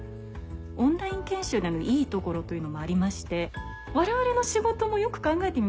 オンライン研修でのいいところというのもありまして我々の仕事もよく考えてみますと